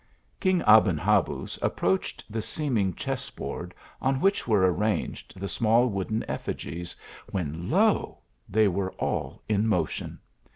King Aben Habuz approached the seeming chess board, on which were arranged the small wooden effigies ; when lo ! they were all in motion.